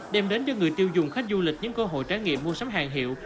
đem đến cho người tiêu dùng khách du lịch những cơ hội trải nghiệm mua sắm hàng hiệu